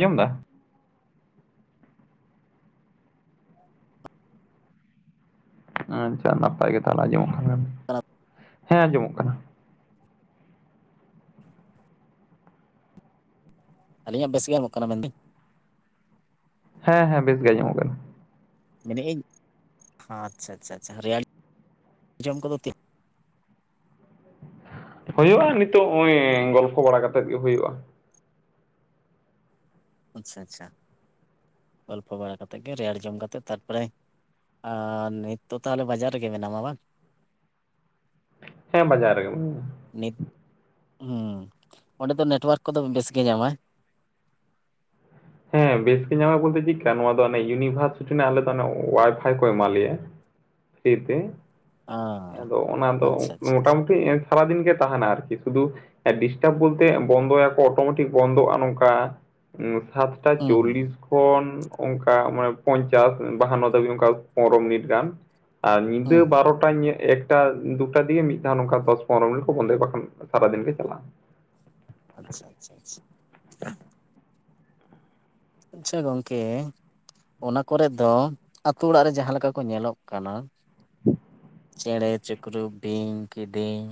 ᱡᱚᱢ ᱫᱟ ᱟᱸᱪᱪᱟ ᱱᱟᱯᱟᱭ ᱜᱮ ᱛᱟᱦᱚᱞᱮ‌ ᱟᱸᱡᱚᱢᱚᱜ ᱠᱟᱱᱟ᱾ ᱠᱟᱱᱟᱫ ᱦᱮᱸ ᱟᱸᱡᱚᱢᱚᱜ ᱠᱟᱱᱟ᱾ ᱟᱹᱞᱤᱧᱟᱜ ᱵᱮᱥ ᱜᱮ ᱟᱸᱡᱚᱢᱚᱜ ᱠᱟᱱᱟ ᱢᱮᱱ ᱫᱤᱧ? ᱦᱮᱸ ᱦᱮᱸ ᱵᱮᱥ ᱜᱮ ᱟᱸᱡᱚᱢᱚᱜ ᱠᱟᱱᱟ᱾ ᱢᱮᱱᱮᱜ ᱤᱧ ᱦᱟᱪᱪᱷᱟ ᱪᱷᱟ ᱪᱷᱟ ᱨᱮᱭᱟᱲ [unintelligible] ᱡᱚᱢ ᱠᱚ ᱫᱚ ᱛᱤᱸᱜ ᱦᱩᱭᱩᱜ-ᱟ ᱱᱤᱛᱚᱜ ᱚᱸᱭ ᱜᱚᱞᱯᱷᱚ ᱵᱟᱲᱟ ᱠᱟᱛᱮᱜ ᱜᱮ ᱦᱩᱭᱩᱜ-ᱟ᱾ ᱟᱪᱪᱷᱟ ᱟᱪᱪᱷᱟ ᱜᱚᱞᱯᱚ ᱵᱟᱲᱟ ᱠᱟᱛᱮᱜ ᱜᱮ ᱨᱮᱭᱟᱲ ᱡᱚᱢ ᱠᱟᱛᱮᱫ ᱛᱟᱨᱯᱚᱨᱮ ᱟᱨ ᱱᱤᱛ ᱫᱚ ᱛᱟᱦᱚᱞᱮ ᱵᱟᱡᱟᱨ ᱨᱮᱜᱮ ᱢᱮᱱᱟᱢᱟ ᱵᱟᱝ? ᱦᱮᱸ ᱵᱟᱡᱟᱨ ᱨᱮᱜᱮ ᱢᱤᱱᱟᱹᱧᱟ᱾ ᱱᱤᱛ, ᱦᱩᱸ ᱚᱸᱰᱮ ᱫᱚ ᱱᱮᱴᱣᱚᱨᱠ ᱠᱚᱫᱚ ᱵᱮᱥ ᱜᱮ ᱧᱟᱢᱟᱭ? ᱦᱮᱸ ᱵᱮᱥ ᱜᱮ ᱧᱟᱢᱟᱭ ᱵᱚᱞᱛᱮ ᱪᱤᱜ ᱠᱟ ᱱᱚᱣᱟ ᱫᱚ ᱚᱱᱮ ᱭᱩᱱᱤᱵᱷᱟᱨᱥᱤᱴᱤ‌ ᱱᱟᱜ ᱟᱞᱮ ᱫᱚ ᱦᱟᱱᱮ ᱣᱟᱭᱼᱯᱷᱟᱭ ᱠᱚ ᱮᱢᱟ ᱞᱮᱭᱟ᱾ ᱯᱷᱨᱤ ᱛᱮ, ᱟᱸ ᱟᱫᱚ ᱚᱱᱟ ᱟᱪᱪᱷᱟ ᱫᱚ ᱟᱪᱪᱷᱟ ᱢᱚᱴᱟ ᱟᱪᱪᱷᱟ ᱢᱩᱴᱤ ᱮᱱ ᱥᱟᱨᱟᱫᱤᱱ ᱜᱮ ᱛᱟᱦᱮᱱᱟ ᱟᱨᱠᱤ, ᱥᱩᱫᱩ ᱮ ᱰᱤᱥᱴᱟᱵᱽ ᱵᱚᱞᱛᱮ ᱵᱚᱱᱫᱚ ᱭᱟᱠᱚ ᱚᱴᱳᱢᱮᱴᱤᱠ ᱵᱚᱱᱫᱚᱜᱼᱟ ᱱᱚᱝᱠᱟ ᱩᱸ ᱥᱟᱛᱴᱟ ᱦᱩᱸ ᱦᱩᱸ ᱪᱩᱞᱞᱤᱥ᱾ ᱠᱚᱱ ᱚᱱᱠᱟ ᱢᱟᱱᱮ ᱯᱚᱧᱪᱟᱥ ᱮ ᱵᱟᱦᱟᱱᱱᱚ ᱫᱷᱟᱹᱵᱤᱡ ᱚᱱᱠᱟ ᱯᱚᱱᱨᱚ ᱢᱤᱱᱤᱴ ᱜᱟᱱ᱾ ᱟᱨ ᱧᱤᱫᱟᱹ ᱦᱩᱸ ᱦᱩᱸ ᱵᱟᱨᱚᱴᱟ ᱴᱟ ‌ᱧᱮ ‌ᱮᱠᱴᱟ ᱫᱩᱴᱟ ᱫᱤᱭᱮ ᱢᱤᱫ ᱫᱷᱟᱣ ᱱᱚᱝᱠᱟ ᱫᱚᱥ ᱯᱚᱱᱨᱚ ᱢᱤᱱᱤᱴ ᱠᱚ ᱵᱚᱱᱫᱚᱭᱟ ᱵᱟᱠᱷᱟᱱ ᱥᱟᱨᱟ ᱫᱤᱱ ᱜᱮ ᱪᱟᱞᱟᱜ-ᱟ᱾ ᱟᱪᱪᱷᱟ ᱟᱪᱷᱟ ᱟᱪᱪᱷᱟ᱾ ᱟᱪᱪᱷᱟ ᱜᱚᱝᱠᱮ ᱚᱱᱟ ᱠᱚᱨᱮᱫ ᱫᱚ ᱟᱛᱩ ᱚᱲᱟᱜ ᱨᱮ ᱡᱟᱦᱟᱸ ᱞᱮᱠᱟ ᱠᱚ ᱧᱮᱞᱚᱜ ᱠᱟᱱᱟ᱾ [inaudible] ᱪᱮᱬᱮ ᱪᱤᱠᱨᱩ ᱵᱤᱧ, ᱠᱤᱫᱤᱧ᱾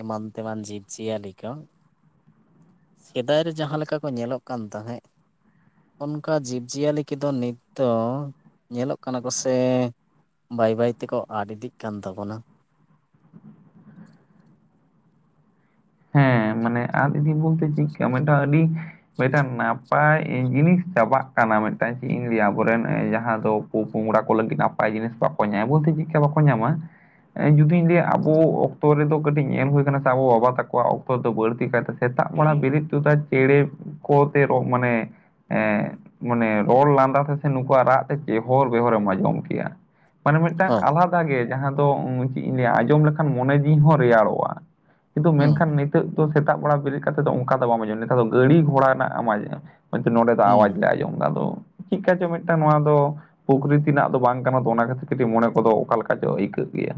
ᱮᱢᱟᱱ ᱛᱮᱢᱟᱱ ᱡᱤᱵᱽ ᱡᱤᱭᱟᱹᱞᱤ ᱠᱚ᱾ ᱥᱮᱫᱟᱭ ᱨᱮ ᱡᱟᱦᱟᱸ ᱞᱮᱠᱟ ᱠᱚ ᱧᱮᱞᱚᱜ ᱠᱟᱱ ᱛᱟᱦᱮᱸᱜ᱾ ᱚᱱᱠᱟ ᱡᱤᱵᱽᱼᱡᱤᱭᱟᱹᱞᱤ ᱠᱮᱫᱚ ᱱᱤᱛ ᱫᱚ ᱧᱮᱞᱚᱜ ᱠᱟᱱᱟ ᱠᱚ ᱥᱮ ᱵᱟᱭ ᱵᱟᱹᱭ ᱛᱮᱠᱚ ᱟᱫᱽ ᱤᱫᱤᱜ ᱠᱟᱱ ᱛᱟᱵᱚᱱᱟ᱾ ᱦᱮᱸ ᱢᱟᱱᱮ ᱟᱫ ᱤᱫᱤ ᱵᱩᱞᱛᱮ ᱪᱤᱫᱠᱟ ᱢᱤᱜᱴᱟ ᱟᱹᱰᱤᱼᱼ ᱢᱮᱫᱴᱟᱱ ᱱᱟᱯᱟᱭ ᱮᱸ ᱡᱤᱱᱤᱥ ᱪᱟᱵᱟᱜ ᱠᱟᱱᱟ ᱢᱤᱫᱴᱟᱝ ᱪᱮᱜ ᱤᱧ ᱞᱟᱹᱭᱟ ᱟᱵᱚᱨᱮᱱ ᱡᱟᱦᱟᱸ ᱫᱚ ᱯᱩ-ᱯᱚᱝᱜᱽᱲᱟ ᱠᱚ ᱞᱟᱹᱜᱤᱫ ᱱᱟᱯᱟᱭ ᱡᱤᱱᱤᱥ ᱠᱚ ᱵᱟᱠᱚ ᱧᱟᱢᱟ ᱵᱞᱞᱛᱮ ᱪᱤᱜᱠᱟ ᱵᱟᱠᱚ ᱧᱟᱢᱟ᱾ ᱮᱸ ᱡᱩᱫᱤᱧ ᱞᱟᱹᱭᱟ ᱟᱵᱚ ᱚᱠᱛᱚ ᱨᱮᱫᱚ ᱠᱟᱹᱴᱤᱡ ᱧᱮᱞ‌ ᱦᱩᱭ ᱠᱟᱱᱟ ᱥᱮ ᱟᱵᱚ ᱵᱟᱵᱟ ᱛᱟᱠ ᱠᱚᱣᱟᱜ ᱚᱠᱚ ᱫᱚ ᱵᱟᱹᱲᱛᱤ ᱠᱟᱭ ᱛᱮ ᱥᱮᱛᱟᱜ ᱵᱮᱲᱟ ᱵᱤᱨᱤᱫ ᱛᱩᱫᱟ ᱪᱮᱬᱮ ᱠᱚᱛᱮ ᱨᱚᱜ ᱢᱟᱱᱮ ᱮᱸᱫ ᱢᱟᱱᱮ ᱨᱚᱲ ᱞᱟᱸᱫᱟ ᱛᱮ ᱥᱮ ᱱᱩᱠᱩᱣᱟᱜ ᱨᱟᱜ ᱛᱮ ᱪᱮᱦᱚᱨ ᱵᱮᱦᱚᱨᱮᱢ ᱟᱸᱡᱚᱢ ᱠᱮᱭᱟ᱾ ᱢᱟᱱᱮ ᱢᱤᱫᱴᱟᱝ ᱦᱮᱸ ᱟᱞᱟᱫᱟ ᱜᱮ ᱡᱟᱦᱟᱸ ᱫᱚ ᱩᱸ ᱪᱤᱜ ᱤᱧ ᱞᱟᱹᱭᱟ ᱟᱸᱡᱚᱢ ᱞᱮᱠᱷᱟᱱ ᱢᱚᱱᱮ ᱡᱤᱣᱤ ᱦᱚᱸ ᱨᱮᱭᱟᱲᱚᱜ-ᱟ᱾ ᱠᱤᱱᱛᱩ ᱦᱩᱸ ᱢᱮᱱᱠᱷᱟᱱ ᱦᱩᱸ ᱱᱤᱛᱟᱹᱜ ᱫᱚ ᱥᱮᱛᱟᱜ ᱵᱮᱲᱟ ᱵᱮᱨᱤᱫ ᱠᱟᱛᱮᱜ ᱫᱚ ᱚᱱᱠᱟ ᱫᱚ ᱵᱟᱢ ᱟᱸᱡᱚᱢᱟ᱾ ᱱᱮᱛᱟᱨ ᱫᱚ ᱜᱟᱹᱲᱤ ᱜᱷᱚᱲᱟ ᱨᱮᱱᱟᱜ ᱮᱢ ᱟᱸᱡᱚᱢᱟ᱾ ᱦᱳᱭᱛᱚ ᱱᱚᱸᱰᱮ ᱫᱚ ᱦᱩᱸ ᱟᱣᱟᱡᱽ ᱞᱮ ᱟᱸᱡᱚᱢᱫᱟ ᱟᱫᱚ ᱪᱤᱜᱠᱟ ᱪᱚ ᱢᱤᱫᱴᱟᱝ ᱱᱚᱣᱟ ᱫᱚ ᱯᱚᱠᱨᱤᱛᱤ ᱨᱮᱱᱟᱜ ᱫᱚ ᱵᱟᱝ ᱠᱟᱱᱟ ᱛᱚ ᱚᱱᱟ ᱠᱷᱟᱹᱛᱤᱨ ᱠᱟᱹᱴᱤᱡ ᱢᱚᱱᱮ ᱠᱚᱫᱚ ᱚᱠᱟ ᱞᱮᱠᱟ ᱪᱚ ᱟᱹᱭᱠᱟᱹᱜ ᱜᱮᱭᱟ᱾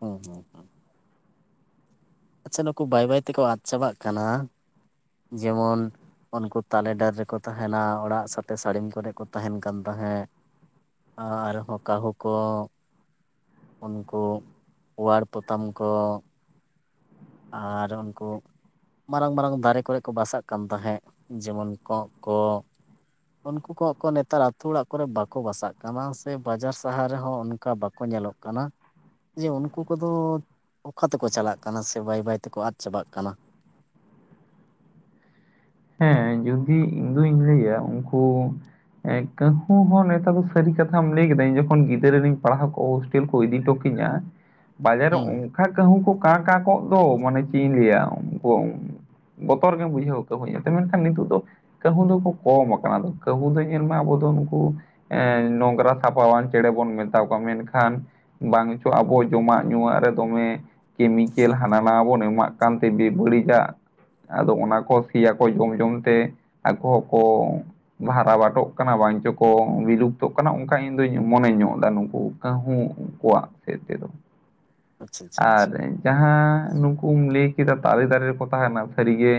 ᱦᱮᱸ ᱦᱮᱸ ᱦᱮᱸ᱾ ᱟᱪᱪᱷᱟ ᱱᱩᱠᱩ ᱵᱟᱭ ᱵᱟᱹᱭ ᱛᱮᱠᱚ ᱟᱫ ᱪᱟᱵᱟᱜ ᱠᱟᱱᱟ᱾ ᱡᱮᱢᱚᱱ ᱩᱱᱠᱩ ᱛᱟᱞᱮ ᱰᱟᱹᱨ ᱨᱮᱠᱚ ᱛᱟᱦᱮᱱᱟ᱾ ᱚᱲᱟᱜ ᱥᱟᱛᱮ ᱥᱟᱹᱲᱤᱢ ᱠᱚᱨᱮᱜ ᱠᱚ ᱛᱟᱦᱮᱱ ᱠᱟᱱ ᱛᱟᱦᱮᱸᱜ᱾ ᱟᱨ ᱦᱚᱸ ᱠᱟᱦᱩ ᱠᱚ᱾ ᱩᱱᱠᱩ ᱯᱳᱣᱟᱲ ᱯᱚᱛᱟᱢ ᱠᱚ᱾ ᱟᱨ ᱩᱱᱠᱩ ᱢᱟᱨᱟᱝ ᱢᱟᱨᱟᱝ ᱫᱟᱨᱮ ᱠᱚᱨᱮ ᱠᱚ ᱵᱟᱥᱟᱜ ᱠᱟᱱ ᱛᱟᱦᱮᱸᱜ ᱡᱮᱢᱚᱱ ᱠᱚᱸᱜ ᱠᱚ᱾ ᱩᱱᱠᱩ ᱠᱚᱸᱜ ᱠᱚ ᱱᱮᱛᱟᱨ ᱟᱛᱩ ᱚᱲᱟᱜ ᱠᱚᱨᱮ ᱵᱟᱠᱚ ᱵᱟᱥᱟᱜ ᱠᱟᱱᱟ ᱥᱮ ᱵᱟᱡᱟᱨ ᱥᱟᱦᱟᱨ ᱨᱮᱦᱚᱸ ᱚᱱᱠᱟ ᱵᱟᱠᱚ ᱧᱮᱞᱚᱜ ᱠᱟᱱᱟ᱾ ᱡᱮ ᱩᱱᱠᱩ ᱠᱚᱫᱚ ᱚᱠᱟ ᱛᱮᱠᱚ ᱪᱟᱞᱟᱜ ᱠᱟᱱᱟ ᱥᱮ ᱵᱟᱹᱭ ᱵᱟᱹᱭ ᱛᱮᱠᱚ ᱟᱫ ᱪᱟᱵᱟᱜ ᱠᱟᱱᱟ᱾ ᱦᱮᱸ ᱡᱩᱫᱤ ᱤᱧ ᱫᱩᱧ ᱞᱟᱹᱭᱟ ᱩᱱᱠᱩ ᱮᱸ ᱠᱟᱹᱦᱩ ᱦᱚᱸ ᱱᱮᱛᱟᱨ ᱫᱚ ᱥᱟᱹᱨᱤ ᱠᱟᱛᱷᱟᱢ ᱞᱟᱹᱭ ᱠᱮᱫᱟ᱾ ᱤᱧ ᱡᱚᱠᱷᱚᱱ ᱜᱤᱫᱽᱨᱟᱹ ᱨᱮᱧ ᱯᱟᱲᱦᱟᱣ ᱠᱚ ᱦᱳᱥᱴᱮᱞ ᱠᱚ ᱤᱫᱤ ᱴᱚ ᱠᱤᱧᱟ᱾ [inaudible] ᱵᱟᱡᱟᱨ ᱨᱮ ᱩᱸᱜ ᱠᱷᱟ ᱠᱟᱹᱦᱩ ᱠᱚ ᱠᱟᱸ ᱠᱸᱟ ᱠᱚᱜ ᱫᱚ᱾ ᱢᱟᱱᱮ ᱪᱤᱜ ᱤᱧ ᱞᱟᱹᱭᱟ ᱩᱱᱠᱩ ᱩᱸ ᱵᱚᱛᱚᱨ ᱜᱮᱢ ᱵᱩᱡᱷᱟᱹᱣ ᱠᱟᱹᱦᱩ ᱧᱮᱞᱛᱮ᱾ ᱢᱮᱱᱠᱷᱟᱱ ᱱᱤᱛᱚᱜ ᱫᱚ ᱠᱟᱹᱦᱩ ᱫᱚ ᱠᱚ ᱠᱚᱢ ᱟᱠᱟᱱᱟ ᱟᱫᱚ ᱠᱟᱹᱦᱩ ᱫᱚ ᱧᱮᱞ ᱢᱮ ᱟᱵᱚ ᱫᱚ ᱱᱩᱠᱩ ᱮᱸ ᱱᱚᱝᱜᱽᱨᱟ ᱥᱟᱯᱷᱟᱣᱟᱱ ᱪᱮᱬᱮ ᱵᱚᱱ ᱢᱮᱛᱟᱣ ᱠᱚᱣᱟ᱾ ᱢᱮᱱᱠᱷᱟᱱ ᱵᱟᱝ ᱪᱚ ᱟᱵᱚ ᱡᱚᱢᱟᱜ ᱧᱩᱣᱟᱜ ᱨᱮ ᱫᱚᱢᱮ ᱠᱮᱢᱤᱠᱮᱞ ᱦᱟᱱᱟ ᱱᱟᱣᱟ ᱵᱚᱱ ᱮᱢᱟᱜ ᱠᱟᱱᱛᱮ ᱵᱮ-ᱵᱟᱹᱲᱤᱡᱟᱜ ᱟᱫᱚ ᱚᱱᱟ ᱠᱚ ᱯᱤᱭᱟ ᱠᱚ ᱡᱚᱢ ᱡᱚᱢ ᱛᱮ ᱟᱠᱚ ᱦᱚᱸ ᱠᱚ ᱵᱷᱟᱨᱟ ᱵᱟᱴᱚᱜ ᱠᱟᱱᱟ, ᱵᱟᱝ ᱪᱚᱠᱚ ᱵᱤᱞᱩᱯᱛᱚᱜ ᱠᱟᱱᱟ, ᱚᱱᱠᱟ ᱤᱧ ᱫᱩᱧ ᱢᱚᱱᱮ ᱧᱚᱜ ᱫᱟ ᱱᱩᱠᱩ᱾ ᱠᱟᱹᱦᱩ ᱩᱱᱠᱩᱣᱟᱜ ᱥᱮᱜ ᱛᱮᱫᱚ᱾ [inaudible] ᱟᱪᱪᱷᱟ ᱟᱨ ᱟᱪᱪᱷᱟ ᱡᱟᱦᱟᱸ ᱱᱩᱠᱩᱢ ᱞᱟᱹᱭ ᱠᱮᱫᱟ ᱛᱟᱞᱮ ᱫᱟᱨᱮ ᱨᱮᱠᱚ ᱛᱟᱸᱦᱮᱱᱟ ᱥᱟᱹᱨᱤ ᱜᱮ᱾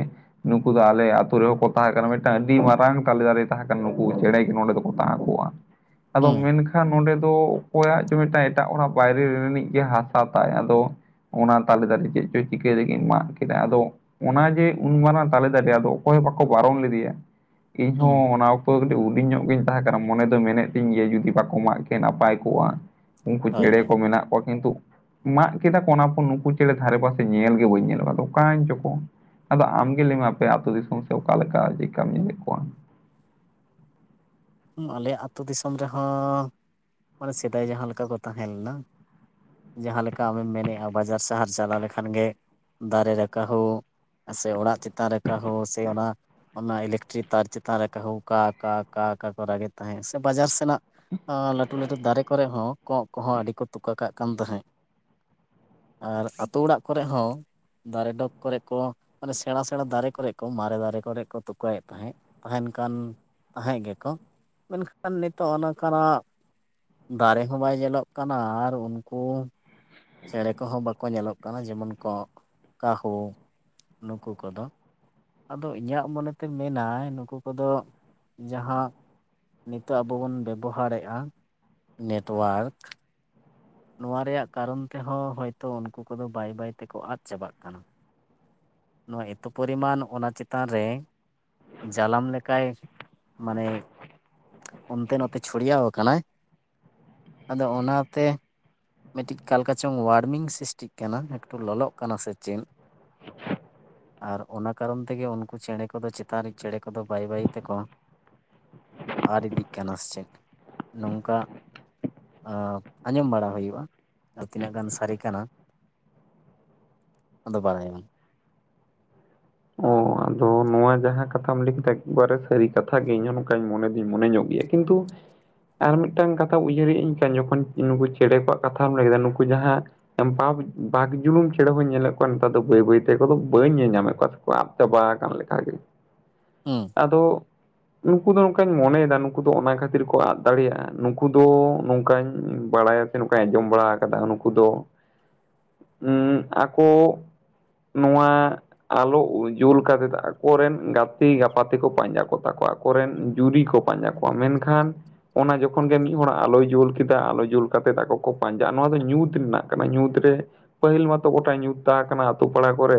ᱱᱩᱠᱩ ᱫᱚ ᱟᱞᱮ ᱟᱛᱳ ᱨᱮᱦᱚᱸ ᱠᱚ ᱛᱟᱦᱮᱸ ᱠᱟᱱᱟ᱾ ᱢᱤᱫᱴᱟᱝ ᱟᱹᱰᱤ ᱢᱟᱨᱟᱝ ᱛᱟᱞᱮ ᱫᱟᱨᱮ ᱛᱟᱦᱮᱸ ᱠᱟᱱᱟ᱾ ᱱᱩᱠᱩ ᱪᱮᱬᱮ ᱜᱮ ᱱᱚᱸᱰᱮ ᱫᱚᱠᱚ ᱛᱟᱬᱟᱜ ᱠᱚᱜ-ᱟ᱾ [unintelligible] ᱮᱵᱚᱝ ᱢᱮᱱ ᱠᱷᱟᱱ ᱱᱚᱸᱰᱮ ᱫᱚ ᱚᱠᱚᱭᱟᱜ ᱡᱮ ᱢᱤᱫᱴᱟᱝ ᱮᱴᱟᱜ ᱦᱚᱲᱟᱜ ᱵᱟᱭᱨᱮ ᱨᱤᱱᱤᱡ ᱜᱮ ᱦᱟᱥᱟ ᱛᱟᱭ ᱟᱫᱚ ᱚᱱᱟ ᱛᱟᱞᱮ ᱫᱟᱨᱮ ᱪᱮᱫ ᱪᱚᱭ ᱪᱤᱠᱟᱹᱭ ᱞᱟᱹᱜᱤᱜ ᱢᱟᱜ ᱠᱮᱫᱟ, ᱟᱫᱚ ᱚᱱᱟ ᱡᱮ ᱩᱱ ᱢᱟᱨᱟᱝ ᱛᱟᱞᱮ ᱫᱟᱨᱮ᱾ ᱟᱫᱚ ᱚᱠᱚᱭ ᱦᱚᱸ ᱵᱟᱠᱚ ᱵᱟᱨᱚᱱ ᱞᱮᱫᱮᱭᱟ᱾ ᱤᱧ ᱦᱩᱸ ᱦᱚᱸ ᱚᱱᱟ ᱚᱠᱛᱚ ᱠᱟᱹᱴᱤᱡ ᱦᱩᱰᱤᱧ ᱧᱚᱜ ᱜᱤᱧ ᱛᱟᱦᱮᱸ ᱠᱟᱱᱟ᱾ ᱢᱚᱱᱮ ᱫᱚ ᱢᱮᱱᱮᱜ ᱛᱤᱧ ᱜᱮᱭᱟ ᱡᱩᱫᱤ ᱵᱟᱠᱚ ᱢᱟᱜ ᱠᱮ ᱱᱟᱯᱟᱭ ᱠᱚᱜ-ᱟ᱾ ᱩᱝᱠᱩ ᱦᱳᱭ ᱪᱮᱬᱮ ᱦᱳᱭ ᱠᱚ ᱢᱮᱱᱟᱜ ᱠᱚᱣᱟ ᱠᱤᱱᱛᱩᱜ ᱢᱟᱜ ᱠᱮᱫᱟ ᱠᱚ, ᱚᱱᱟ ᱯᱚᱨ ᱱᱩᱠᱩ ᱪᱮᱬᱮ ᱫᱷᱟᱨᱮ ᱯᱟᱥᱮ ᱧᱮᱞ ᱜᱮ ᱵᱟᱹᱧ ᱧᱮᱞ ᱵᱟ, ᱟᱫᱚ ᱚᱠᱟᱭᱮᱧ ᱪᱚᱠᱚ ᱟᱫᱚ ᱟᱢ ᱜᱮ ᱞᱟᱹᱭ ᱢᱮ ᱟᱯᱮ ᱟᱛᱩ ᱫᱤᱥᱚᱢ ᱥᱮᱜ ᱚᱠᱟ ᱞᱮᱠᱟ ᱪᱮᱜᱠᱟᱢ ᱧᱮᱞᱮᱜ ᱠᱚᱣᱟ? ᱦᱩᱸ, ᱟᱞᱮᱭᱟᱜ ᱟᱛᱩ ᱫᱤᱥᱚᱢ ᱨᱮᱦᱚᱸ ᱢᱟᱱᱮ ᱥᱮᱫᱟᱭ ᱡᱟᱦᱟᱸ ᱞᱮᱠᱟ ᱠᱚ ᱛᱟᱦᱮᱸ ᱞᱮᱱᱟ᱾ ᱡᱟᱦᱟᱸ ᱞᱮᱠᱟ ᱟᱢᱮᱢ ᱢᱮᱱᱮᱜ-ᱟ ᱵᱟᱡᱟᱨ ᱥᱟᱦᱟᱨ ᱪᱟᱞᱟᱣ ᱞᱮᱠᱷᱟᱱ ᱜᱮ ᱫᱟᱨᱮ ᱨᱮ ᱠᱟᱺᱦᱩ ᱟ ᱥᱮ ᱚᱲᱟᱜ ᱪᱮᱛᱟᱱ ᱨᱮ ᱠᱟᱺᱦᱩ ᱥᱮ ᱚᱱᱟ ᱚᱱᱟ ᱤᱞᱮᱠᱴᱨᱤᱠ ᱛᱟᱨ ᱪᱮᱛᱟᱱ ᱨᱮ ᱠᱟᱺᱦᱩ ᱠᱟ ᱠᱟ ᱠᱟ ᱠᱟ ᱠᱚ ᱨᱟᱜᱮᱜ ᱛᱟᱦᱮᱸᱜ, ᱥᱮ ᱵᱟᱡᱟᱨ ᱥᱮᱱᱟᱜ ᱟᱸᱻ ᱞᱟᱹᱴᱩ ᱞᱟᱹᱴᱩ ᱫᱟᱨᱮ ᱠᱚᱨᱮ ᱦᱚᱸ ᱠᱚᱸᱜ ᱠᱚᱦᱚᱸ ᱟᱹᱰᱤ ᱠᱚ ᱛᱩᱠᱟᱹ ᱠᱟᱜ ᱠᱟᱱ ᱛᱟᱦᱮᱸᱜ᱾ ᱟᱨ ᱟᱛᱩ ᱚᱲᱟᱜ ᱠᱚᱨᱮ ᱦᱚᱸ᱾ ᱫᱟᱨᱮ ᱰᱚᱜᱽ ᱠᱚᱨᱮ ᱠᱚ ᱢᱟᱱᱮ ᱥᱮᱬᱟ ᱥᱮᱬᱟ ᱫᱟᱨᱮ ᱠᱚᱨᱮ ᱠᱚ ᱢᱟᱨᱮ ᱫᱟᱨᱮ ᱠᱚᱨᱮ ᱠᱚ ᱛᱩᱠᱟᱹᱭᱮᱫ ᱛᱟᱦᱮᱸᱜ᱾ ᱛᱟᱸᱦᱮᱱ ᱠᱟᱱ ᱛᱟᱦᱮᱸᱜ ᱜᱮᱠᱚ᱾ ᱢᱮᱱᱠᱷᱟᱱ ᱱᱤᱛᱳᱜ ᱚᱱᱠᱟᱱᱟᱜ ᱫᱟᱨᱮ ᱦᱚᱸ ᱵᱟᱭ ᱧᱮᱞᱚᱜ ᱠᱟᱱᱟ ᱟᱨ ᱩᱱᱠᱩ ᱪᱮᱬᱮ ᱠᱚᱦᱚᱸ ᱵᱟᱠᱚ ᱧᱮᱞᱚᱜ ᱠᱟᱱᱟ ᱡᱮᱢᱚᱱ ᱠᱚᱸᱜ ᱠᱟᱦᱩ ᱱᱩᱠᱩ ᱠᱚᱫᱚ᱾ ᱟᱫᱚ ᱤᱧᱟᱜ ᱢᱚᱱᱮ ᱛᱮ ᱢᱮᱱᱟᱭ ᱱᱩᱠᱩ ᱠᱚᱫᱚ ᱡᱟᱦᱟᱸ ᱱᱤᱛᱚᱜ ᱟᱵᱚ ᱵᱚᱱ ᱵᱮᱵᱚᱦᱟᱨᱮᱜ-ᱟ ᱱᱮᱴᱣᱟᱨᱠ᱾ ᱱᱚᱣᱟ ᱨᱮᱭᱟᱜ ᱠᱟᱨᱚᱱ ᱛᱮᱦᱚᱸ ᱦᱚᱭᱛᱚ ᱩᱱᱠᱩ ᱠᱩ ᱫᱚ ᱵᱟᱹᱭ ᱵᱟᱹᱭ ᱛᱮᱠᱚ ᱟᱫ ᱪᱟᱵᱟᱜ ᱠᱟᱱᱟ᱾ ᱱᱚᱣᱟ ᱮᱛᱚ ᱯᱚᱨᱤᱢᱟᱱ ᱚᱱᱟ ᱪᱮᱛᱟᱱ ᱨᱮ ᱡᱟᱞᱟᱢ ᱞᱮᱠᱟᱭ ᱢᱟᱱᱮ ᱚᱱᱛᱮ ᱱᱚᱛᱮ ᱪᱷᱩᱲᱭᱟᱹᱣᱟᱠᱟᱱᱟᱭ, ᱟᱫᱚ ᱚᱱᱟᱛᱮ ᱢᱤᱫᱴᱤᱡ ᱠᱟᱞᱠᱟ ᱪᱚᱝ ᱚᱣᱟᱨᱢᱤᱝ ᱥᱤᱥᱴᱤᱜ ᱠᱟᱱᱟ ᱮᱠᱴᱩ ᱞᱚᱞᱚᱜ ᱠᱟᱱᱟ ᱥᱮ ᱪᱮᱱ? [inaudible] ᱟᱨ ᱚᱱᱟ ᱠᱟᱨᱚᱱ ᱛᱮᱜᱮ ᱩᱱᱠᱩ ᱪᱮᱸᱬᱮ ᱠᱚᱫᱚ ᱪᱮᱛᱟᱱ ᱨᱤ ᱪᱮᱸᱬᱮ ᱠᱚᱫᱚ ᱵᱟᱹᱭ ᱵᱟᱹᱭ ᱛᱮᱠᱚ ᱟᱨ ᱤᱫᱤᱜ ᱠᱟᱱᱟ ᱥᱮ ᱪᱮᱫ ᱱᱚᱝᱠᱟ ᱟᱸ ᱟᱸᱡᱚᱢ ᱵᱟᱲᱟ ᱦᱩᱭᱩᱜ ᱠᱚᱜ-ᱟ, ᱟᱨ ᱛᱤᱱᱟᱹᱜ ᱜᱟᱱ ᱥᱟᱨᱤ ᱠᱟᱱᱟ ᱟᱫᱚ ᱵᱟᱲᱟᱭ ᱵᱟᱝ᱾ ᱚᱱᱟᱫᱚ ᱱᱚᱣᱟ ᱡᱟᱦᱟᱸ ᱠᱟᱛᱷᱟᱢ ᱞᱟᱹᱭ ᱠᱮᱫᱟ ᱮᱠᱵᱟᱨᱮ ᱥᱟᱹᱨᱤ ᱠᱟᱛᱷᱟ ᱜᱮ ᱤᱧ ᱦᱚᱸ ᱱᱚᱝᱠᱟᱧ ᱢᱚᱱᱮ ᱫᱩᱧ ᱢᱚᱱᱮ ᱧᱚᱜ ᱜᱮᱭᱟ ᱠᱤᱱᱛᱩ ᱟᱨ ᱢᱤᱫᱴᱟᱝ ᱠᱟᱛᱷᱟ ᱩᱭᱦᱟᱹᱨ ᱦᱮᱡ ᱟᱹᱧ ᱠᱟᱱ ᱡᱚᱠᱷᱚᱱ ᱱᱩᱠᱩ ᱪᱮᱸᱬᱮ ᱠᱚᱣᱟᱜ ᱠᱟᱛᱷᱟᱢ ᱞᱟᱹᱭ ᱠᱮᱫᱟ ᱱᱩᱠᱩ ᱡᱟᱦᱟᱸ ᱵᱟ ᱵᱟᱜᱽ ᱡᱩᱞᱩᱝ ᱪᱮᱸᱬᱮ ᱦᱚᱸᱧ ᱧᱮᱞᱮᱫ ᱠᱚᱣᱟ ᱱᱮᱛᱟᱨ ᱫᱚ ᱵᱟᱹᱭ ᱵᱟᱹᱭ ᱛᱮᱠᱚ, ᱫᱚ ᱵᱟᱹᱧ ᱧᱮᱞ ᱧᱟᱢᱮᱫ ᱠᱚᱣᱟ ᱥᱮᱠᱚᱣᱟ᱾ ᱪᱟᱵᱟ ᱟᱠᱟᱱ ᱞᱮᱠᱟᱜᱮ᱾ ᱦᱩᱸ᱾ ᱟᱫᱚ ᱱᱩᱠᱩ ᱫᱚ ᱱᱚᱝᱠᱟᱧ ᱢᱚᱱᱮᱭᱫᱟ ᱱᱩᱠᱩ ᱫᱚ ᱚᱱᱟ ᱠᱷᱟᱹᱛᱤᱨ ᱠᱚ ᱟᱫ ᱫᱟᱲᱮᱭᱟᱜᱼᱟ ᱱᱩᱠᱩ ᱫᱚ ᱱᱚᱝᱠᱟᱧ ᱵᱟᱲᱟᱭᱟ᱾ ᱥᱮ ᱱᱚᱝᱠᱟᱧ ᱟᱸᱡᱚᱢ ᱵᱟᱲᱟ ᱠᱟᱫᱟ ᱱᱩᱠᱩ ᱫᱚ [inaudible] ᱩᱸ ᱟᱠᱚ ᱱᱚᱣᱟ ᱟᱞᱚ ᱩᱡ ᱡᱩᱞ ᱠᱟᱛᱮᱫ ᱟᱠᱚᱨᱮᱱ ᱜᱟᱛᱮ ᱜᱟᱯᱟᱛᱮᱠᱚ ᱯᱟᱸᱡᱟ ᱠᱚᱛᱟ ᱠᱚᱣᱟ ᱟᱠᱚᱨᱮᱱ ᱡᱩᱨᱤ ᱠᱚ᱾ ᱯᱟᱸᱡᱟ ᱠᱚᱣᱟ᱾ ᱢᱮᱱᱠᱷᱟᱱ ᱚᱱᱟ ᱡᱚᱠᱷᱚᱱ ᱜᱮ ᱢᱤᱫ ᱦᱚᱲᱟᱜ ᱟᱞᱚᱭ ᱡᱩᱞ ᱠᱮᱫᱟ ᱟᱞᱚ ᱡᱩᱞ ᱠᱟᱛᱮᱫ ᱟᱠᱚ ᱠᱚ ᱯᱟᱸᱡᱟᱜᱼᱟ ᱱᱚᱣᱟ ᱫᱚ ᱧᱩᱛ ᱨᱮᱱᱟᱜ ᱠᱟᱱᱟ ᱧᱩᱛ ᱨᱮ ᱯᱟᱹᱦᱤᱞ ᱢᱟᱛᱚ ᱜᱚᱴᱟ ᱧᱩᱛ ᱛᱟᱦᱮᱸ ᱠᱟᱱᱟ ᱟᱛᱳ ᱯᱟᱲᱟ ᱠᱚᱨᱮ᱾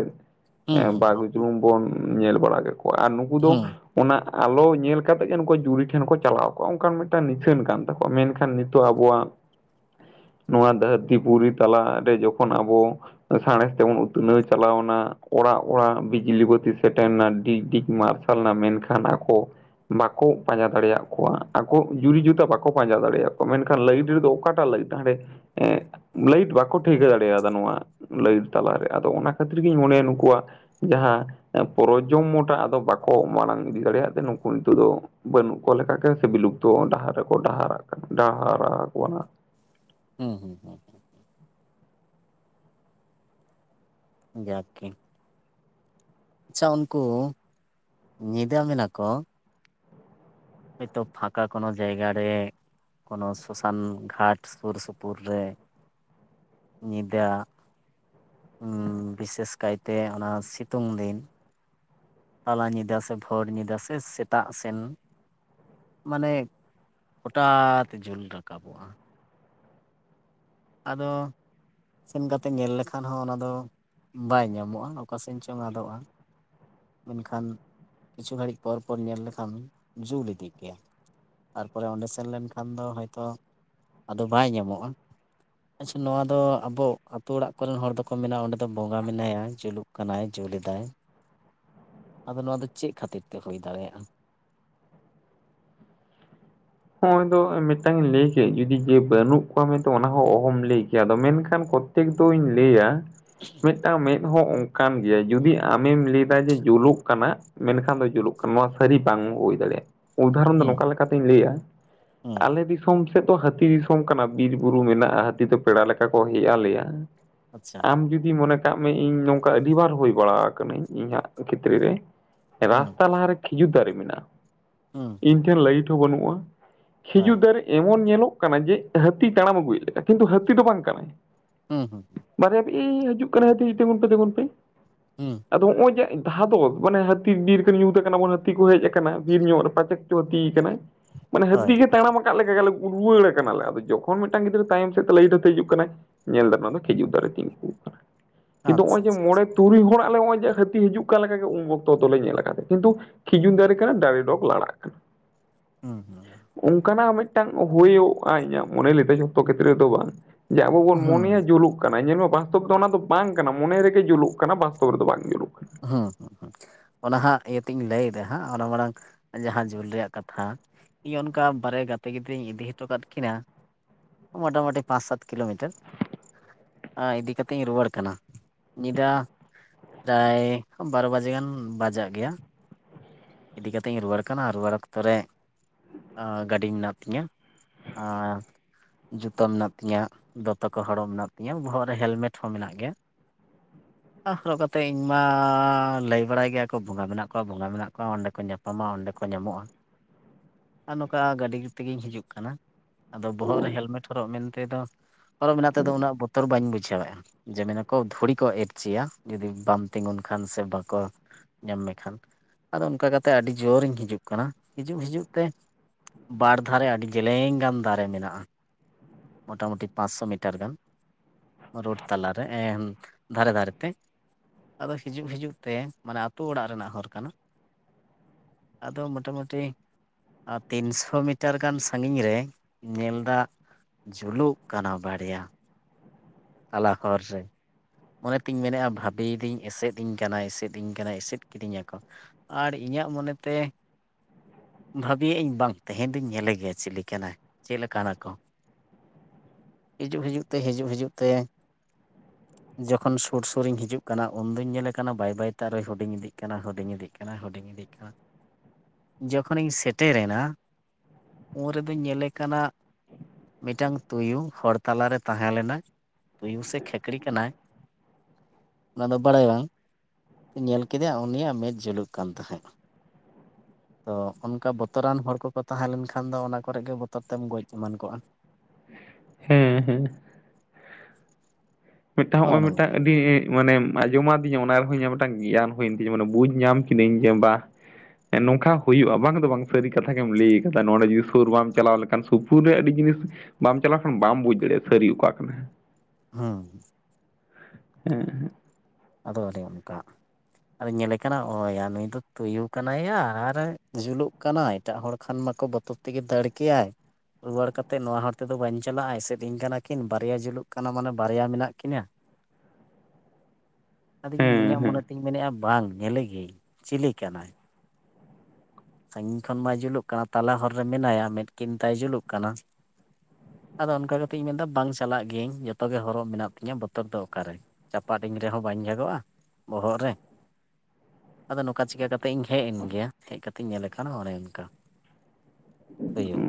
ᱦᱩᱸ ᱦᱮᱸ ᱦᱩᱸ ᱵᱟᱜᱽᱡᱩᱞᱩᱝ ᱵᱚᱱ ᱧᱮᱞ ᱵᱟᱲᱟ ᱠᱟᱜ ᱠᱚᱣᱟ ᱟᱨ ᱱᱩᱠᱩ ᱫᱚ ᱦᱩᱸ ᱚᱱᱟ ᱟᱞᱚ ᱧᱮᱞ ᱠᱟᱛᱮᱫ ᱜᱮ ᱱᱩᱠᱩ ᱡᱩᱨᱤ ᱴᱷᱮᱱ ᱠᱚ ᱪᱟᱞᱟᱣ ᱠᱚᱜᱼᱟ ᱚᱱᱠᱟᱱ ᱢᱤᱫᱴᱟᱝ ᱱᱤᱥᱷᱟᱹᱱ ᱠᱟᱱ ᱛᱟᱠᱚᱣᱟ ᱢᱮᱱᱠᱷᱟᱱ ᱱᱤᱛᱚᱜ ᱟᱵᱚᱣᱟᱜ [inaudible] ᱱᱚᱣᱟ ᱫᱷᱟᱹᱨᱛᱤ ᱯᱩᱨᱤ ᱛᱟᱞᱟᱨᱮ ᱡᱚᱠᱷᱚᱱ ᱟᱵᱚ ᱥᱟᱸᱬᱮᱥ ᱛᱮᱵᱚᱱ ᱩᱛᱱᱟᱹᱣ ᱪᱟᱞᱟᱣᱱᱟ ᱚᱲᱟᱜ ᱚᱲᱟᱜ ᱵᱤ ᱡᱤᱞᱤ ᱵᱟᱹᱛᱤ ᱥᱮᱴᱮᱨᱱᱟ ᱰᱤᱜᱽ ᱰᱤᱜᱽ ᱢᱟᱨᱥᱟᱞ ᱱᱟ ᱢᱮᱱᱠᱷᱟᱱ ᱟᱠᱚ ᱵᱟᱠᱚ ᱯᱟᱸᱡᱟ ᱫᱟᱲᱮᱭᱟᱜ ᱠᱚᱣᱟ, ᱟᱠᱚ ᱡᱩᱨᱤ ᱡᱚᱛᱟᱹ ᱵᱟᱠᱚ ᱯᱟᱸᱡᱟ ᱫᱟᱲᱮᱭᱟ ᱠᱚᱣᱟ ᱢᱮᱱᱠᱷᱟᱱ ᱞᱟᱹᱭᱤᱰ ᱨᱮᱫᱚ ᱚᱠᱟᱴᱟᱜ ᱞᱟᱹᱭᱤᱴ ᱦᱟᱸᱰᱮ ᱮᱸ ᱞᱟᱹᱭᱤᱴ ᱵᱟᱠᱚ ᱴᱷᱟᱹᱭᱠᱟᱹ ᱫᱟᱲᱮᱭᱟᱫᱟ ᱱᱚᱣᱟ ᱞᱟᱹᱭᱤᱴ ᱛᱟᱞᱟᱨᱮ ᱟᱫᱚ ᱚᱱᱟ ᱠᱷᱟᱹᱛᱤᱨ ᱜᱤᱧ ᱢᱚᱱᱮᱭᱟ ᱱᱩᱠᱩᱣᱟᱜ ᱡᱟᱦᱟᱸ ᱯᱚᱨᱚᱡᱚᱢᱢᱚ ᱴᱟᱜ ᱟᱫᱚ ᱵᱟᱠᱚ ᱢᱟᱲᱟᱝ ᱤᱫᱤ ᱫᱟᱲᱮᱭᱟᱜ ᱛᱮ ᱱᱩᱠᱩ ᱱᱤᱛᱚᱜ ᱫᱚ ᱵᱟᱹᱱᱩᱜ ᱠᱚ ᱞᱮᱠᱟ ᱜᱮ ᱥᱮ ᱵᱤᱞᱩᱯᱛᱚ ᱰᱟᱦᱟᱨ ᱨᱮᱠᱚ ᱰᱟᱦᱟᱨᱟᱜ ᱠᱟᱱᱟ ᱰᱟᱦᱟᱨᱟᱣ ᱠᱟᱱᱟ᱾ ᱦᱩᱸ ᱦᱩᱸ ᱦᱩᱸ᱾ ᱡᱟᱠ ᱜᱮ᱾ ᱟᱪᱪᱷᱟ ᱩᱱᱠᱩ ᱧᱤᱫᱟᱹ ᱢᱮᱱᱟ ᱠᱚ, ᱦᱳᱭᱛᱚ ᱯᱷᱟᱠᱟ ᱠᱳᱱᱳ ᱡᱟᱭᱜᱟ ᱨᱮ, ᱠᱳᱱᱳ ᱥᱚᱥᱟᱱ ᱜᱷᱟᱴ ᱥᱩᱨ ᱥᱩᱯᱩᱨ ᱨᱮ, ᱧᱤᱫᱟᱹ ᱩᱸ ᱵᱤᱥᱮᱥ ᱠᱟᱭᱛᱮ ᱚᱱᱟ ᱥᱤᱛᱩᱝ ᱫᱤᱱ᱾ ᱛᱟᱞᱟ ᱧᱤᱫᱟᱹ ᱥᱮ ᱵᱷᱳᱨ ᱧᱤᱫᱟᱹ ᱥᱮ ᱥᱮᱛᱟᱜ ᱥᱮᱱ᱾ ᱢᱟᱱᱮ ᱦᱚᱴᱟᱛ ᱡᱩᱞ ᱨᱟᱠᱟᱵᱚᱜᱼᱟ᱾ ᱟᱫᱚ ᱥᱮᱱ ᱠᱟᱛᱮ ᱧᱮᱞ ᱞᱮᱠᱷᱟᱱ ᱦᱚᱸ ᱚᱱᱟ ᱫᱚ ᱵᱟᱭ ᱧᱟᱢᱚᱜᱼᱟ ᱚᱠᱟ ᱥᱮᱱ ᱪᱚᱝ ᱟᱫᱚᱜᱼᱟ᱾ ᱢᱮᱱᱠᱷᱟᱱ ᱠᱤᱪᱷᱩ ᱜᱷᱟᱹᱲᱤᱡ ᱯᱚᱨ ᱯᱚᱨ ᱧᱮᱞ ᱞᱮᱠᱷᱟᱱ ᱡᱩᱞ ᱤᱫᱤᱜ ᱜᱮᱭᱟ᱾ ᱛᱟᱨᱯᱚᱨᱮ ᱚᱸᱰᱮ ᱥᱮᱱ ᱞᱮᱱᱠᱷᱟᱱ ᱫᱚ ᱦᱚᱭᱛᱚ ᱟᱫᱚ ᱵᱟᱭ ᱧᱟᱢᱚᱜᱼᱟ᱾ ᱟᱪᱪᱷᱟ ᱱᱚᱣᱟ ᱫᱚ ᱟᱵᱚ ᱟᱛᱩ ᱚᱲᱟᱜ ᱠᱚᱨᱮᱱ ᱦᱚᱲ ᱫᱚᱠᱚ ᱢᱮᱱᱟ ᱚᱸᱰᱮ ᱫᱚ ᱵᱚᱸᱜᱟ ᱢᱮᱱᱟᱭᱟ ᱡᱩᱞᱩᱜ ᱠᱟᱱᱟᱭ ᱡᱩᱞᱫᱟᱭ, ᱟᱫᱚ ᱱᱚᱣᱟ ᱫᱚ ᱪᱮᱫ ᱠᱷᱟᱹᱛᱤᱨ ᱛᱮ ᱦᱩᱭ ᱫᱟᱲᱮᱭᱟᱜᱼᱟ? ᱦᱚᱸᱜᱼᱚᱭ ᱫᱚ ᱢᱤᱫᱴᱟᱝ ᱤᱧ ᱞᱟᱹᱭ ᱠᱮᱫ ᱡᱩᱫᱤ ᱡᱮ ᱵᱟᱹᱱᱩᱜ ᱠᱚᱣᱟ ᱢᱮᱱᱛᱮ ᱚᱱᱟ ᱦᱚᱸ ᱚᱦᱚᱢ ᱞᱟᱹᱭ ᱠᱮᱭᱟ ᱟᱫᱚ ᱢᱮᱱᱠᱷᱟᱱ ᱠᱚ ᱛᱮᱠ ᱫᱩᱧ ᱞᱟᱹᱭᱟ ᱢᱤᱫᱴᱟᱝ ᱢᱮᱫ ᱦᱚᱸ ᱚ ᱠᱟᱱ ᱜᱮᱭᱟ ᱡᱩᱫᱤ ᱟᱢᱮᱢ ᱞᱟᱹᱭᱫᱟ ᱡᱮ ᱡᱩᱞᱩᱜ ᱠᱟᱱᱟᱼᱼ ᱢᱮᱱᱠᱷᱟᱱ ᱫᱚ ᱡᱩᱞᱩᱜ ᱠᱟᱱᱟ ᱱᱚᱣᱟ ᱥᱟᱹᱨᱤ ᱵᱟᱝ ᱦᱩᱭ ᱫᱟᱲᱮᱭᱟᱜᱼᱟ᱾ ᱩᱫᱟᱦᱚᱨᱚᱱ ᱫᱚ ᱱᱚᱝᱠᱟ ᱦᱩᱸ ᱞᱮᱠᱟᱛᱤᱧ ᱞᱟᱹᱭᱟ ᱦᱩᱸ ᱟᱞᱮ ᱫᱤᱥᱚᱢ ᱥᱮᱫ ᱫᱚ ᱦᱟᱹᱛᱤ ᱫᱤᱥᱚᱢ ᱠᱟᱱᱟ ᱵᱤᱨ ᱵᱩᱨᱩ ᱢᱮᱱᱟᱜᱼᱟ ᱦᱟᱹᱛᱤ ᱫᱚ ᱯᱮᱲᱟ ᱞᱮᱠᱟ ᱠᱚ ᱦᱮᱡ ᱟᱞᱮᱭᱟ᱾ ᱟᱪᱪᱷᱟ᱾ ᱟᱢ ᱡᱩᱫᱤ ᱢᱚᱱᱮ ᱠᱟᱜ ᱢᱮ ᱤᱧ ᱱᱚᱝᱠᱟ ᱟᱹᱰᱤᱵᱟᱨ ᱦᱩᱭ ᱵᱟᱲᱟ ᱠᱟᱹᱱᱟᱹᱧ ᱤᱧᱟᱹᱜ ᱠᱷᱮᱛᱨᱮ ᱨᱮ᱾ ᱨᱟᱥᱛᱟ ᱞᱟᱦᱟ ᱨᱮ ᱠᱷᱤᱡᱩᱨ ᱫᱟᱨᱮ ᱢᱮᱱᱟᱜᱼᱟ, ᱦᱮᱸ᱾ ᱤᱧ ᱴᱷᱮᱱ ᱞᱟᱹᱭᱤᱴ ᱦᱚᱸ ᱵᱟᱹᱱᱩᱜᱼᱟ, ᱠᱷᱤᱡᱩᱨ ᱫᱟᱨᱮ ᱮᱢᱚᱱ ᱧᱮᱞᱚᱜ ᱠᱟᱱᱟ ᱡᱮ ᱦᱟᱹᱛᱤ ᱛᱟᱲᱟᱢ ᱟᱹᱜᱩ ᱭᱮᱫ ᱞᱮᱠᱟ ᱠᱤᱱᱛᱩ ᱦᱟᱹᱛᱤ ᱫᱚ ᱵᱟᱝ ᱠᱟᱱᱟᱭ᱾ ᱦᱩᱸ ᱦᱩᱸ ᱦᱩᱸ᱾ ᱵᱟᱨᱭᱟ ᱮᱭ ᱦᱤᱡᱩᱜ ᱠᱟᱱᱟᱭ ᱦᱟᱹᱛᱤ ᱛᱮᱸᱜᱳᱱ ᱯᱮ ᱛᱮᱸᱜᱳᱱ ᱯᱮ᱾ ᱦᱩᱸ᱾ ᱟᱫᱚ ᱦᱚᱸᱜᱼᱚᱭ ᱡᱮ ᱫᱷᱟᱫᱚᱥ ᱢᱟᱱᱮ ᱦᱟᱹᱛᱤ ᱵᱤᱨ ᱛᱮ ᱧᱩᱛ ᱠᱟᱱᱟ ᱵᱚᱱ ᱦᱟᱹᱛᱤ ᱠᱚ ᱦᱮᱡ ᱟᱠᱟᱱᱟ ᱵᱤᱨ ᱧᱚᱜ ᱨᱮ ᱯᱟᱪᱮᱫ ᱠᱚ ᱦᱟᱹᱛᱤ ᱠᱟᱱᱟᱭ᱾ ᱢᱟᱱᱮ ᱦᱳᱭ ᱦᱟᱹᱛᱤ ᱜᱮ ᱛᱟᱲᱟᱢ ᱟᱠᱟᱫ ᱞᱮᱠᱟ ᱟᱞᱮ ᱨᱩᱣᱟᱹᱲ ᱠᱟᱱᱟ ᱞᱮ ᱟᱫᱚ ᱡᱚᱠᱷᱚᱱ ᱢᱤᱫᱴᱟᱝ ᱜᱤᱫᱽᱨᱟᱹ ᱛᱟᱭᱚᱢ ᱥᱮᱫ ᱛᱮ ᱞᱟᱭᱤᱴ ᱟᱛᱮ ᱦᱤᱡᱩᱜ ᱠᱟᱱᱟᱭ ᱧᱮᱞ ᱫᱟᱞᱮ ᱚᱱᱟ ᱫᱚ ᱠᱷᱤᱡᱩᱨ ᱫᱟᱨᱮ ᱛᱤᱸᱜᱩᱣ ᱠᱟᱱᱟ ᱠᱤᱱᱛᱩ ᱚᱜ-ᱚᱭ ᱟᱪᱪᱷᱟ ᱡᱮ ᱟᱪᱪᱷᱟ ᱢᱚᱬᱮ ᱟᱪᱪᱷᱟ ᱛᱩᱨᱩᱭ ᱦᱚᱲᱟᱜ ᱞᱮ ᱱᱚᱜ-ᱚᱭ ᱡᱮ ᱦᱟᱹᱛᱤ ᱦᱤᱡᱩᱜ ᱠᱟᱱ ᱞᱮᱠᱟᱜ ᱜᱮ ᱩᱱ ᱵᱚᱠᱛᱚ ᱫᱚᱞᱮ ᱧᱮᱞ ᱟᱠᱟᱫ ᱠᱤᱱᱛᱩ ᱠᱷᱤᱡᱩᱨ ᱫᱟᱨᱮ ᱠᱟᱱᱟ ᱫᱟᱨᱮ ᱰᱚᱜᱽ ᱞᱟᱲᱟᱜ ᱠᱟᱱᱟ᱾ ᱦᱩᱸ ᱦᱩᱸ ᱚᱝᱠᱟ ᱱᱟᱜ ᱢᱮᱜᱴᱟᱝ ᱦᱳᱭᱳᱜ-ᱟ ᱤᱧᱟᱹᱜ ᱢᱚᱱᱮ ᱞᱤᱫᱟᱭ ᱡᱷᱚᱛᱚ ᱠᱷᱮᱛᱨᱮ ᱫᱚ ᱵᱟᱝ, ᱡᱮ ᱟᱵᱚ ᱵᱚᱱ ᱦᱩᱸ ᱢᱚᱱᱮᱭᱟ ᱡᱩᱞᱩᱜ ᱠᱟᱱᱟ ᱧᱮᱞ ᱢᱮ ᱵᱟᱥᱛᱚᱵ ᱫᱚ ᱚᱱᱟ ᱫᱚ ᱵᱟᱝ ᱠᱟᱱᱟ ᱢᱚᱱᱮ ᱨᱮᱜᱮ ᱡᱩᱞᱩᱜ ᱠᱟᱱᱟ ᱵᱟᱥᱛᱚᱵ ᱨᱮᱫᱚ ᱵᱟᱝ ᱡᱩᱞᱩᱜ ᱠᱟᱱᱟ ᱦᱚᱸ ᱦᱚᱸ ᱦᱚᱸ ᱚᱱᱟ ᱦᱟᱸᱜ ᱤᱭᱟᱹᱛᱤᱧ ᱞᱟᱹᱭ ᱫᱟ ᱦᱟᱸᱜ ᱚᱱᱟ ᱢᱟᱲᱟᱝ ᱡᱟᱦᱟᱸ ᱡᱩᱞ ᱨᱮᱭᱟᱜ ᱠᱟᱛᱷᱟ ᱤᱧ ᱚᱱᱠᱟ ᱵᱟᱨᱭᱟ ᱜᱟᱛᱮ ᱜᱤᱫᱽᱨᱟᱹᱧ ᱤᱫᱤ ᱦᱚᱴᱚ ᱠᱟᱫ ᱠᱤᱱᱟ ᱢᱳᱴᱟᱢᱳᱴᱤ ᱯᱟᱸᱪ ᱥᱟᱛ ᱠᱤᱞᱳᱢᱤᱴᱟᱨ ᱟ ᱤᱫᱤ ᱠᱟᱛᱮ ᱤᱧ ᱨᱩᱣᱟᱹᱲ ᱠᱟᱱᱟ ᱧᱤᱫᱟ ᱯᱨᱟᱭ ᱵᱟᱨᱚ ᱵᱟᱡᱮ ᱜᱟᱱ ᱵᱟᱡᱟᱜ ᱜᱮᱭᱟ ᱤᱫᱤ ᱠᱟᱛᱮᱧ ᱨᱩᱣᱟᱹᱲ ᱠᱟᱱᱟ ᱟᱨ ᱨᱩᱣᱟᱹᱲ ᱚᱠᱛᱚ ᱨᱮ ᱟᱸ ᱜᱟᱹᱰᱤ ᱢᱮᱱᱟᱜ ᱛᱤᱧᱟᱹ ᱟᱸ ᱡᱩᱛᱟᱹ ᱢᱮᱱᱟᱜ ᱛᱤᱧᱟ ᱫᱚᱛᱚ ᱠᱚ ᱦᱚᱲᱚ ᱢᱮᱱᱟᱜ ᱛᱤᱧᱟᱹ ᱵᱚᱦᱚᱜ ᱨᱮ ᱦᱮᱞᱢᱮᱴ ᱦᱚᱸ ᱢᱮᱱᱟᱜ ᱜᱮᱭᱟ, ᱟᱱᱟ ᱦᱚᱨᱚᱜ ᱠᱟᱛᱮ ᱛᱮ ᱤᱧ ᱢᱟ ᱞᱟᱹᱭ ᱵᱟᱲᱟᱭ ᱜᱮᱭᱟ ᱠᱚ ᱵᱚᱸᱜᱟ ᱢᱮᱱᱟᱜ ᱠᱚᱣᱟ ᱵᱚᱸᱜᱟ ᱢᱮᱱᱟᱜ ᱠᱚᱣᱟ ᱚᱸᱰᱮ ᱠᱚ ᱧᱟᱯᱟᱢᱟ ᱚᱸᱰᱮ ᱠᱚ ᱧᱟᱢᱚᱜ-ᱟ, ᱟᱨ ᱱᱚᱠᱟ ᱜᱟᱹᱰᱤ ᱛᱤᱜᱤᱧ ᱦᱤᱡᱩᱜ ᱠᱟᱱᱟ, ᱟᱫᱚ ᱵᱚᱦᱚᱜ ᱨᱮ ᱦᱮᱞᱢᱮᱴ ᱦᱚᱨᱚᱜ ᱢᱮᱱ ᱛᱮᱫᱚ, ᱦᱚᱨᱚ ᱢᱮᱱᱟᱜ ᱛᱮᱫᱚ ᱩᱱᱟᱹᱜ ᱵᱚᱛᱚᱨ ᱵᱟᱹᱧ ᱵᱩᱡᱷᱟᱹᱣᱮᱜ-ᱟ ᱡᱮ ᱢᱮᱱ ᱟᱠᱚ ᱫᱷᱩᱲᱤ ᱠᱚ ᱮᱨᱪᱤᱭᱟ, ᱡᱩᱫᱤ ᱵᱟᱢ ᱛᱤᱸᱜᱩᱱ ᱠᱷᱟᱱ ᱥᱮ ᱵᱟᱠᱚ ᱧᱟᱢ ᱢᱮᱠᱷᱟᱱ, ᱟᱫᱚ ᱚᱱᱠᱟ ᱠᱟᱛᱮᱜ ᱟᱹᱰᱤ ᱡᱳᱨ ᱤᱧ ᱦᱤᱡᱩᱜ ᱠᱟᱱᱟ ᱦᱤᱡᱩᱜ ᱦᱤᱡᱩᱜ ᱛᱮ ᱵᱟᱨ ᱫᱷᱟᱨᱮ ᱟᱹᱰᱤ ᱡᱮᱞᱮᱧ ᱜᱟᱱ ᱫᱟᱨᱮ ᱢᱮᱱᱟᱜ-ᱟ, ᱢᱳᱴᱟ ᱢᱩᱴᱤ ᱯᱟᱸᱥᱥᱳ ᱢᱤᱴᱟᱨ ᱜᱟᱱ, ᱨᱳᱰ ᱛᱟᱞᱟᱨᱮ ᱮᱱ ᱫᱷᱟᱨᱮ ᱫᱷᱟᱨᱮ ᱛᱮ, ᱟᱫᱚ ᱦᱤᱡᱩᱜ ᱦᱤᱡᱩᱜ ᱛᱮ ᱢᱟᱱᱮ ᱟᱹᱛᱳ ᱚᱲᱟᱜ ᱨᱮᱱᱟᱜ ᱦᱚᱨ ᱠᱟᱱᱟ, ᱟᱫᱚ ᱢᱳᱴᱟ ᱢᱩᱴᱤ ᱟᱨ ᱛᱤᱱᱥᱚ ᱢᱤᱴᱟᱨ ᱜᱟᱱ ᱥᱟᱺᱜᱤᱧ ᱨᱮ ᱧᱮᱞ ᱫᱟᱜ ᱡᱩᱞᱩᱜ ᱠᱟᱱᱟ ᱵᱟᱨᱭᱟ ᱛᱟᱞᱟ ᱦᱚᱨ ᱨᱮ, ᱢᱚᱱᱮ ᱛᱤᱧ ᱢᱮᱱᱮᱜ-ᱟ ᱵᱷᱟᱹᱵᱤᱭᱮᱫᱤᱧ ᱮᱥᱮᱫ ᱤᱧ ᱠᱟᱱᱟᱭ ᱮᱥᱮᱫ ᱤᱧ ᱠᱟᱱᱟᱭ ᱮᱥᱮᱫ ᱠᱤᱫᱤᱧᱟ ᱠᱚ, ᱟᱲ ᱤᱧᱟᱜ ᱢᱚᱱᱮ ᱛᱮ ᱵᱷᱟᱹᱵᱤᱭᱮᱜ ᱤᱧ ᱵᱟᱝ ᱛᱮᱦᱮᱧ ᱫᱩᱧ ᱧᱮᱞᱮ ᱜᱮᱭᱟ ᱪᱤᱞᱤ ᱠᱟᱱᱟᱭ ᱪᱮᱜ ᱞᱮᱠᱟ ᱱᱟᱠᱚ ᱦᱤᱡᱩᱜ ᱦᱤᱡᱩᱜ ᱛᱮ ᱦᱤᱡᱩᱜ ᱦᱤᱡᱩᱜ ᱛᱮ ᱡᱚᱠᱷᱚᱱ ᱥᱩᱨ ᱥᱩᱨᱤᱧ ᱦᱤᱡᱩᱜ ᱠᱟᱱᱟ ᱩᱱᱫᱩᱧ ᱧᱮᱞᱮ ᱠᱟᱱᱟ ᱵᱟᱭ ᱵᱟᱭ ᱛᱮ ᱟᱨᱚ ᱦᱩᱰᱤᱧ ᱤᱫᱤᱜ ᱠᱟᱱᱟ ᱦᱩᱰᱤᱧ ᱤᱫᱤᱜ ᱠᱟᱱᱟ ᱦᱩᱰᱤᱧ ᱤᱫᱤᱜ ᱡᱚᱠᱷᱚᱱ ᱱᱤᱧ ᱥᱮᱴᱮᱨᱱᱟ ᱩᱱ ᱨᱮᱫᱩᱧ ᱧᱮᱞᱮ ᱠᱟᱱᱟ ᱢᱤᱜᱴᱟᱝ ᱛᱩᱭᱩ ᱦᱚᱲ ᱛᱟᱞᱟᱨᱮ ᱛᱟᱦᱮᱸ ᱞᱮᱱᱟᱭ ᱛᱩᱭᱩ ᱥᱮ ᱠᱷᱮᱠᱲᱤ ᱠᱟᱱᱟᱭ ᱚᱱᱟ ᱫᱚ ᱵᱟᱲᱟᱭ ᱵᱟᱝ ᱧᱮᱞ ᱠᱮᱫᱮᱭᱟ ᱩᱱᱤᱭᱟᱜ ᱢᱮᱫ ᱡᱩᱞᱩᱜ ᱠᱟᱱ ᱛᱟᱦᱮᱸᱫ᱾ [inaudible] ᱛᱚ ᱚᱱᱠᱟ ᱵᱚᱛᱚᱨᱟᱱ ᱦᱚᱲ ᱠᱚᱠᱚ ᱛᱟᱦᱮᱸ ᱞᱮᱱᱠᱷᱟᱱ ᱫᱚ ᱚᱱᱟ ᱠᱚᱨᱮ ᱜᱮ ᱵᱚᱛᱚᱨ ᱛᱮᱢ ᱜᱚᱡ ᱮᱢᱟᱱ ᱠᱚᱜ-ᱟ᱾ ᱦᱮᱸ ᱦᱮᱸ ᱢᱤᱜᱴᱟᱝ ᱦᱚᱸᱜᱼᱚ ᱦᱚᱸᱜ-ᱚᱭ ᱢᱤᱜᱴᱟᱝ ᱱᱚᱝᱠᱟ ᱟᱹᱰᱤ ᱢᱟᱱᱮ ᱟᱸᱡᱚᱢᱟᱫᱤᱧᱟ ᱚᱱᱟ ᱨᱮᱦᱚᱸ ᱤᱧᱟᱹᱜ ᱢᱮᱜᱴᱟᱝ ᱜᱮᱭᱟᱱ ᱦᱩᱭᱮᱱ ᱛᱤᱧᱟᱹ ᱢᱟᱱᱮ ᱵᱩᱡᱽ ᱧᱟᱢ ᱠᱤᱫᱤᱧ ᱡᱮ ᱵᱟ ᱱᱚᱝᱠᱷᱟ ᱦᱩᱭᱩᱜ-ᱟ ᱵᱟᱝ ᱫᱚ ᱵᱟᱝ ᱥᱟᱹᱨᱤ ᱠᱟᱛᱷᱟ ᱜᱮᱢ ᱞᱟᱹᱭ ᱠᱟᱫᱟ ᱱᱚᱰᱮ ᱡᱩᱫᱤ ᱥᱩᱨ ᱵᱟᱢ ᱪᱟᱞᱟᱣ ᱞᱮᱠᱷᱟᱱ ᱥᱩᱯᱩᱨ ᱨᱮ ᱟᱹᱰᱤ ᱡᱤᱱᱤᱥ ᱵᱟᱢ ᱪᱟᱞᱟᱣ ᱠᱷᱟᱱ ᱵᱟᱢ ᱵᱩᱡᱽ ᱫᱟᱲᱮᱜ-ᱟ ᱥᱟᱹᱨᱤ ᱚᱠᱟ ᱠᱟᱱᱟ᱾ ᱦᱚᱸ ᱮ ᱦᱮᱸ ᱟᱫᱚ ᱟᱫᱚ ᱚᱱᱠᱟ ᱟᱨᱮᱧ ᱧᱮᱞᱮ ᱠᱟᱱᱟ ᱳ ᱭᱟ ᱱᱩᱭ ᱫᱚ ᱛᱩᱭᱩ ᱠᱟᱱᱟᱭ ᱭᱟ ᱟᱨᱮ ᱡᱩᱞᱩᱜ ᱠᱟᱱᱟᱭ ᱾ ᱮᱴᱟᱜ ᱦᱚᱲ ᱠᱷᱟᱱ ᱢᱟᱛᱚ ᱵᱚᱛᱚᱨ ᱛᱮᱜᱮ ᱫᱟᱹᱲ ᱠᱮᱭᱟᱭ᱾ ᱨᱩᱣᱟᱹᱲ ᱠᱟ ᱠᱟᱛᱮᱫ ᱱᱚᱣᱟ ᱦᱚᱨ ᱛᱮᱫᱚ ᱵᱟᱹᱧ ᱪᱟᱞᱟᱜ-ᱟ ᱮᱥᱮᱫ ᱟᱹᱧ ᱠᱟᱱᱟ ᱠᱤᱱ, ᱵᱟᱨᱭᱟ ᱡᱩᱞᱩᱜ ᱠᱟᱱᱟ ᱢᱟᱱᱮ ᱵᱟᱨᱭᱟ ᱢᱮᱱᱟᱜ ᱠᱤᱱᱟ᱾ ᱟᱫᱚᱧ ᱦᱮᱸ ᱤᱧᱟᱹᱜ ᱦᱮᱸ ᱢᱚᱱᱮᱛᱮᱧ ᱢᱮᱱᱮᱫ-ᱟ, ᱵᱟᱝ ᱧᱮᱞᱮ ᱜᱮᱧ ᱪᱤᱞᱤ ᱠᱟᱱᱟᱭ? ᱥᱟᱺᱜᱤᱧ ᱠᱷᱚᱱ ᱢᱟᱭ ᱡᱩᱞᱩᱜ ᱠᱟᱱᱟ ᱛᱟᱞᱟ ᱦᱚᱨ ᱨᱮ ᱢᱮᱱᱟᱭᱟ ᱢᱮᱫ ᱠᱤᱱ ᱛᱟᱭ ᱡᱩᱞᱩᱜ ᱠᱟᱱᱟ᱾ ᱟᱫᱚ ᱚᱱᱠᱟ ᱠᱟᱛᱮ ᱤᱧ ᱢᱮᱱ ᱮᱫᱟ ᱵᱟᱝ ᱪᱟᱞᱟᱜ ᱜᱤᱭᱟᱹᱧ, ᱡᱚᱛᱚ ᱜᱮ ᱦᱚᱨᱚᱜ ᱢᱮᱱᱟᱜ ᱛᱤᱧᱟ ᱵᱚᱛᱚᱨ ᱫᱚ ᱚᱠᱟᱨᱮ? ᱪᱟᱯᱟᱫ ᱤᱧ ᱨᱮᱦᱚᱸ ᱵᱟᱹᱧ ᱡᱟᱜᱚᱜ-ᱟ ᱵᱚᱦᱚᱜ ᱨᱮ᱾ [inaudible] ᱟᱫᱚ ᱱᱚᱝᱠᱟ ᱪᱤᱠᱟ ᱠᱟᱛᱮᱜ ᱤᱧ ᱦᱮᱡ ᱮᱱ ᱜᱮᱭᱟ ᱾ ᱦᱮᱡ ᱠᱟ ᱛᱤᱧ ᱧᱮᱞᱮ ᱠᱟᱱᱟ ᱚᱱᱮ ᱚᱱᱠᱟ ᱾ [inaudible] ᱦᱩᱭᱩᱜ